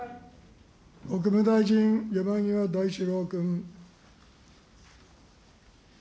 国務大臣、山際大志郎君。